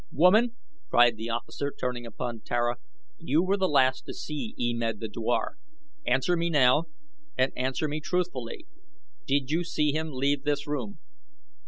"Woman," cried the officer, turning upon Tara, "you were the last to see E Med the dwar. Answer me now and answer me truthfully. Did you see him leave this room?"